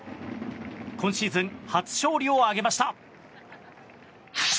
今シーズン初勝利を挙げました。